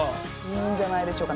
いいんじゃないでしょうか。